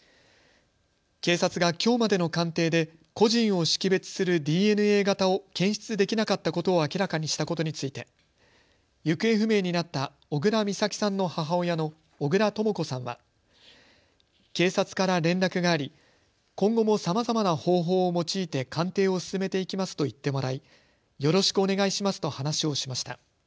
警察がきょうまでの鑑定で個人を識別するＤＮＡ型を検出できなかったことを明らかにしたことについて行方不明になった小倉美咲さんの母親の小倉とも子さんは警察から連絡があり今後もさまざまな方法を用いて鑑定を進めていきますと言ってもらいよろしくお願いしますと話をしました。